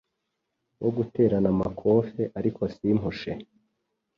wo guterana amakofe ariko simpushe.